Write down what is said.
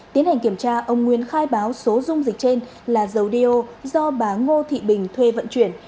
tiến hành kiểm tra ông nguyên khai báo số dung dịch trên là dầu điêu do bà ngô thị bình thuê vận chuyển